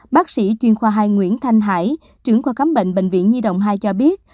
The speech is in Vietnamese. bác sĩ chuyên khoa hai nguyễn thanh hải trưởng khoa khám bệnh bệnh viện nhi đồng hai cho biết